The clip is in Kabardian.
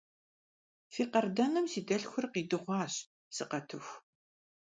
Фи къардэным си дэлъхур къидыгъуащ, сыкъэтыху.